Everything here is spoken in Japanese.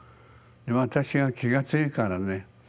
私は気が強いからね